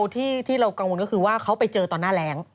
ที่เรากังวลก็คือว่าเขาไปเจอตอนหน้าแรง